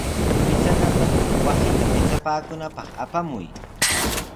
Pichanata wasita pichapakunapaq apamuy.